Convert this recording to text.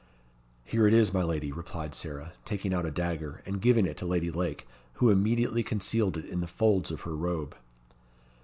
"Here it is, my lady," replied Sarah, taking out a dagger, and giving it to Lady Lake, who immediately concealed it in the folds of her robe.